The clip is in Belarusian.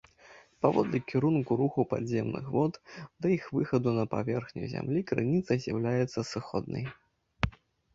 Паводле кірунку руху падземных вод да іх выхаду на паверхню зямлі крыніца з'яўляецца сыходнай.